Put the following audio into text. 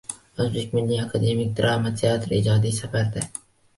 O‘zbek milliy akademik drama teatri ijodiy safarda